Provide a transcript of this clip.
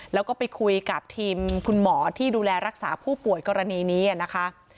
แล้วก็ไปคุยกับทีมคุณหมอที่ดูแลรักษาผู้ป่วยกรณีนี้นะคะ